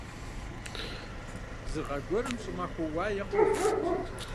Зы гъэ гуэрым щӀымахуэ уае къохъу.